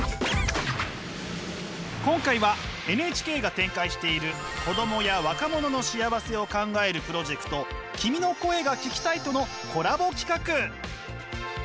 今回はＮＨＫが展開している子どもや若者の幸せを考えるプロジェクト「君の声が聴きたい」とのコラボ企画。